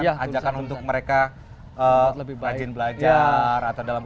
iya tulisan ajakan untuk mereka rajin belajar atau dalam idean bercari